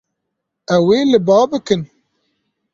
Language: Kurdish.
Ew ê li ba bikin.